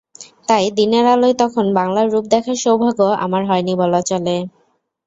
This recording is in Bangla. তাই দিনের আলোয় তখন বাংলার রূপ দেখার সৌভাগ্য আমার হয়নি বলা চলে।